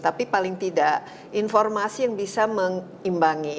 tapi paling tidak informasi yang bisa mengimbangi